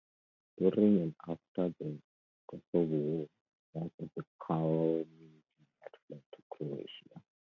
During and after the Kosovo War, most of the community had fled to Croatia.